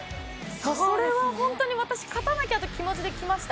それは本当に、私、勝たなきゃって気持ちで来ました。